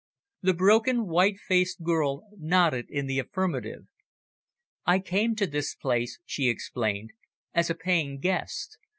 The broken, white faced girl nodded in the affirmative. "I came to this place," she explained, "as a paying guest.